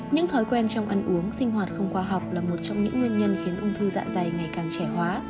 những thói quen trong ăn uống sinh hoạt không khoa học là một trong những nguyên nhân khiến ung thư dạ dày ngày càng trẻ hóa